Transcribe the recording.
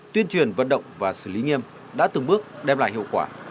tuyên truyền vận động và xử lý nghiêm đã từng bước đem lại hiệu quả